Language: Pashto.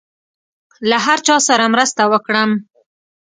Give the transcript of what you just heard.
له هر چا سره مرسته وکړم.